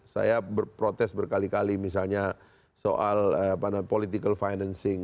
saya berprotes berkali kali misalnya soal political financing